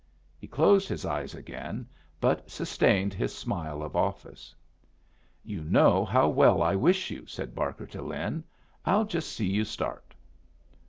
He closed his eyes again, but sustained his smile of office. "You know how well I wish you," said Barker to Lin. "I'll just see you start."